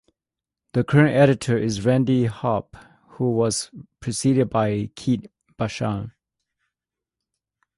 The current editor is Randy Harp who was preceded by Keith Bassham.